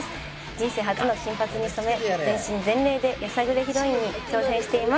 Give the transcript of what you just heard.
人生初の金髪に染め全身全霊でやさぐれヒロインに挑戦しています。